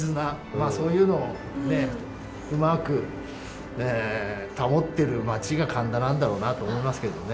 まあそういうのをねうまく保ってる町が神田なんだろうなと思いますけどね。